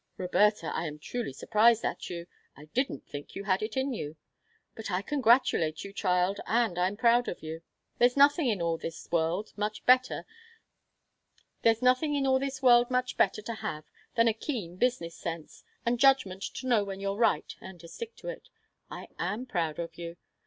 Roberta, I am truly surprised at you; I didn't think you had it in you. But I congratulate you, child, and I'm proud of you. There's nothing in all this world much better to have than a keen business sense, and judgment to know when you're right and to stick to it. I am proud of you.